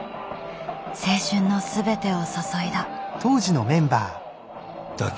青春の全てを注いだ。